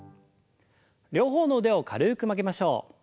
両方の腕を軽く曲げましょう。